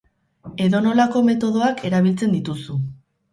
Edonolako metodoak erabiltzen dituzu.